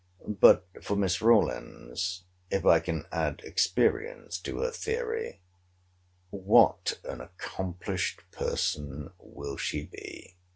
But, for Miss Rawlins, if I can add experience to her theory, what an accomplished person will she be!